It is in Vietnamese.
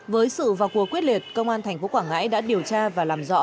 với sự vào cuộc quyết liệt công an tp quảng ngãi đã điều tra và làm rõ